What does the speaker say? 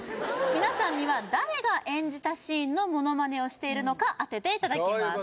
みなさんには誰が演じたシーンのモノマネをしているのか当てていただきます